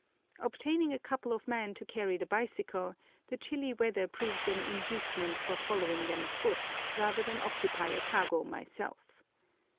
Obtaining a couple of men to carry the bicycle, the chilly weather proves an inducement for following them afoot, rather than occupy a kago myself.